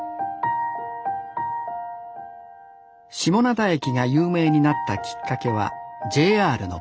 下灘駅が有名になったきっかけはＪＲのポスター。